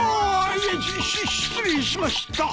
いやしっ失礼しました。